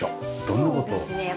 そうですね。